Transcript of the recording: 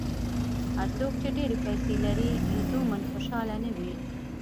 هر څوک چې ډېرې پیسې لري، لزوماً خوشاله نه وي.